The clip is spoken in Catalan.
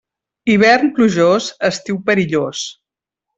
Hivern plujós, estiu perillós.